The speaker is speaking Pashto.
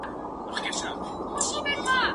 زه پرون کالي مينځل!.